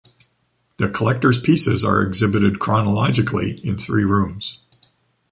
The collector's pieces are exhibited chronologically in three rooms.